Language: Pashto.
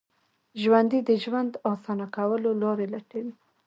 ژوندي د ژوند اسانه کولو لارې لټوي